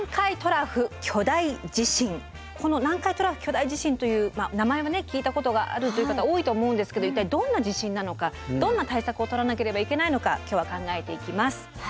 この南海トラフ巨大地震という名前はね聞いたことがあるという方は多いと思うんですけど一体どんな地震なのかどんな対策をとらなければいけないのか今日は考えていきます。